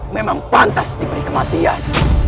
memang pantas diberi kematian